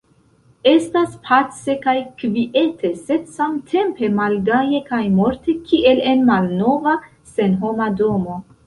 Estas pace kaj kviete sed samtempe malgaje kaj morte kiel en malnova, senhoma domo.